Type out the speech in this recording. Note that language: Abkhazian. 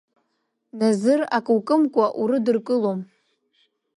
Назыр, акы укымкәан урыдыркылом.